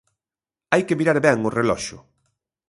Hai que mirar ben o reloxo.